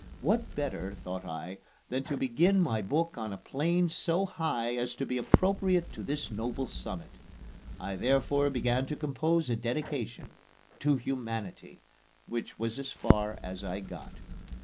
What better, thought I, than to begin my book on a plane so high as to be appropriate to this noble summit? I therefore began to compose a dedication. "To Humanity" was as far as I got.